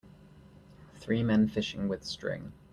Three men fishing with string.